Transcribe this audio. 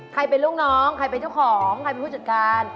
เป็นลูกน้องใครเป็นเจ้าของใครเป็นผู้จัดการ